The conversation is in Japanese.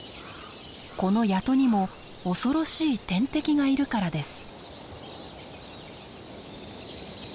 この谷戸にも恐ろしい天敵がいるからです。